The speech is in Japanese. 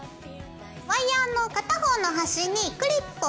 ワイヤーの片方の端にクリップをつけます。